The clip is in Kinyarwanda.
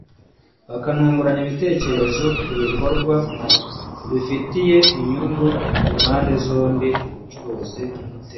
bakanungurana ibitekerezo ku bikorwa bifitiye inyungu impande zombi nk’ubucuruzi n’umutekano